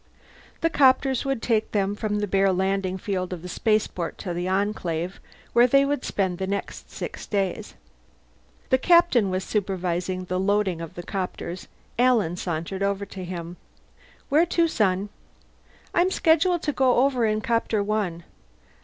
The copters would take them from the bare landing field of the spaceport to the Enclave, where they would spend the next six days. The Captain was supervising the loading of the copters. Alan sauntered over to him. "Where to, son?" "I'm scheduled to go over in Copter One."